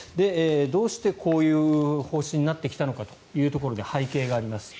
どうして、こういう方針になってきたのかというところで背景があります。